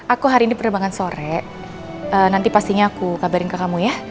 aku hari ini penerbangan sore nanti pastinya aku kabarin ke kamu ya